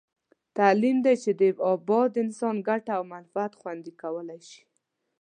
تعلیم دی چې د اباد انسان ګټه او منفعت خوندي کولای شي.